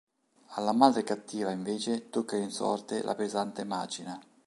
Alla madre cattiva, invece, tocca in sorte la pesante macina.